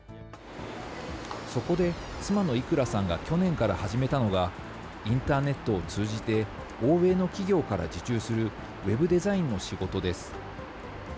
そこで妻のイクラさんが去年から始めたのが、インターネットを通じて欧米の企業から受注するＷＥＢデザインの仕事です。